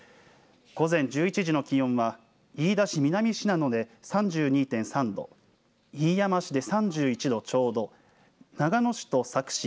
午前１１時の気温は飯田市南信濃で３２．３度飯山市で３１度ちょうど長野市と佐久市